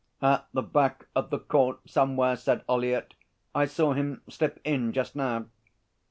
'At the back of the court somewhere,' said Ollyett. 'I saw him slip in just now.'